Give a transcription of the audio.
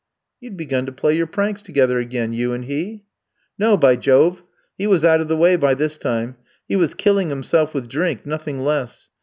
'" "You'd begun to play your pranks together again, you and he?" "No, by Jove! He was out of the way by this time; he was killing himself with drink, nothing less.